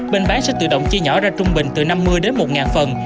bình bán sẽ tự động chia nhỏ ra trung bình từ năm mươi đến một phần